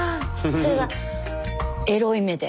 それがエロい目で？